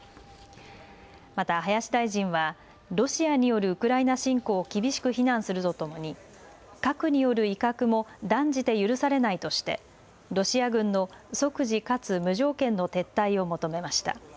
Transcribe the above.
また林大臣はロシアによるウクライナ侵攻を厳しく非難するとともに核による威嚇も断じて許されないとしてロシア軍の即時かつ無条件の撤退を求めました。